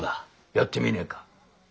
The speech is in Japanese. やってみねえか？